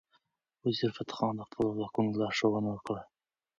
وزیرفتح خان د خپلو ځواکونو لارښوونه وکړه.